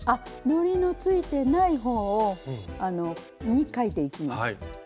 のりのついてない方に描いていきます。